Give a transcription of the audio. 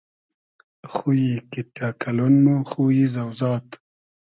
خویی کیݖݖۂ کئلۉن مۉ خویی زۆزاد